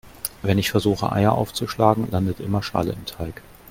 Wenn ich versuche Eier aufzuschlagen, landet immer Schale im Teig.